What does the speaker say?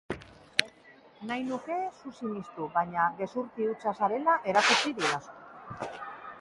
Nahi nuke zu sinistu baina gezurti hutsa zarela erakutsi didazu.